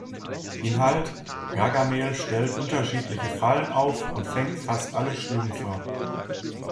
Inhalt: Gargamel stellt unterschiedliche Fallen auf und fängt fast alle Schlümpfe.